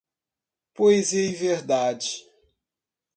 Poesia e verdade.